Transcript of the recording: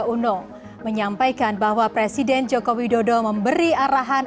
uno menyampaikan bahwa presiden joko widodo memberi arahan